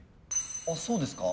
あそうですか？